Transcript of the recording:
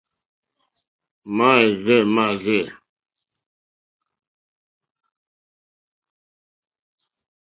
Máɛ́rzɛ̀ mâ rzɛ̂.